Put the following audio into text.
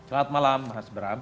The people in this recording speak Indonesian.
selamat malam mas bram